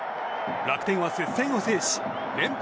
楽天は接戦を制し連敗